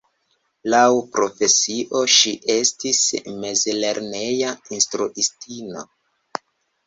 Laŭ profesio, ŝi estis mezlerneja instruistino.